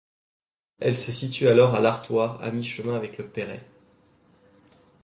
Elle se situe alors à l'Artoire, à mi-chemin avec Le Perray.